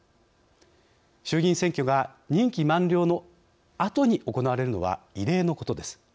衆議院選挙が任期満了のあとに行われるのは異例のことです。